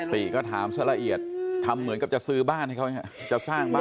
ตีก็ถามสระเอียดทำเหมือนกับจะซื้อบ้านให้เขาอย่างนี้